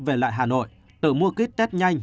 về lại hà nội tự mua kit test nhanh